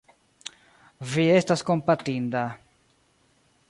Vi estas kompatinda.